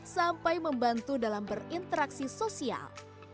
sampai membantu dalam berinteraksi sosial